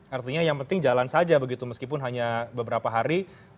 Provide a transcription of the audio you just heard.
artinya yang penting jalan saja begitu meskipun hanya beberapa hari